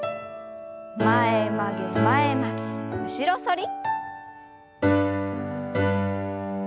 前曲げ前曲げ後ろ反り。